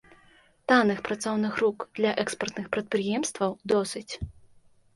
Танных працоўных рук для экспартных прадпрыемстваў досыць.